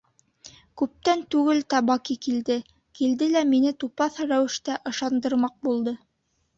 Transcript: — Күптән түгел Табаки килде, килде лә мине тупаҫ рәүештә ышандырмаҡ булды.